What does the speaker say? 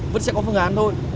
vẫn sẽ có phương án thôi